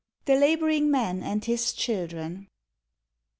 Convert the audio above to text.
THE LABOURING MAN AND HIS CHILDREN.